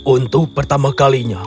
untuk pertama kalinya